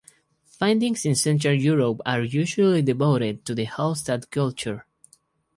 Findings in Central Europe are usually devoted to the Hallstatt culture.